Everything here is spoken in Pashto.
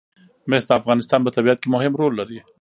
مس د افغانستان په طبیعت کې مهم رول لري.